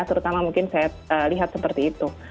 terutama mungkin saya lihat seperti itu